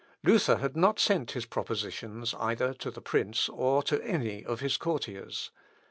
Luther had not sent his propositions, either to the prince or to any of his courtiers.